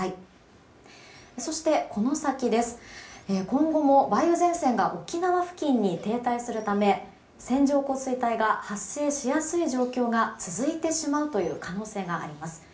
今後も梅雨前線が沖縄付近に停滞するため線状降水帯が発生しやすい状況が続いてしまうという可能性があります。